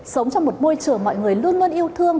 sống trong một môi trường mọi người luôn luôn yêu thương